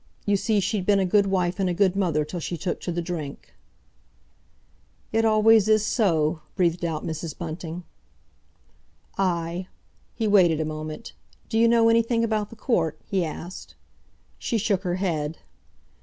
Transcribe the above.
You see, she'd been a good wife and a good mother till she took to the drink." "It always is so," breathed out Mrs. Bunting. "Aye." He waited a moment. "D'you know anyone about the court?" he asked. She shook her head.